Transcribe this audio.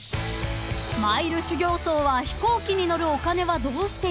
［マイル修行僧は飛行機に乗るお金はどうしているのか？］